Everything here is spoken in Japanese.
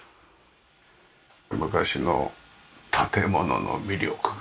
昔の建物の魅力が。